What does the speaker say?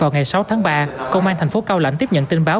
vào ngày sáu tháng ba công an thành phố cao lãnh tiếp nhận tin báo